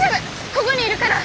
こごにいるから！